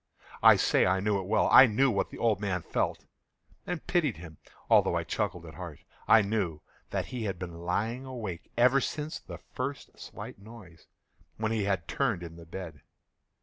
I say I knew it well. I knew what the old man felt, and pitied him, although I chuckled at heart. I knew that he had been lying awake ever since the first slight noise, when he had turned in the bed.